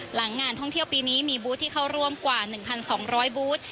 งานท่องเที่ยวปีนี้มีบูธที่เข้าร่วมกว่า๑๒๐๐บูธ